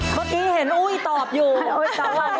เมื่อกี้เห็นอุ้ยตอบอยู่